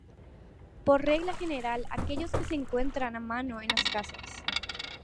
Por regla general aquellos que se encuentran a mano en las casas.